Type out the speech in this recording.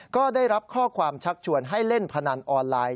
ก็ได้รับข้อความชักชวนให้เล่นพนันออนไลน์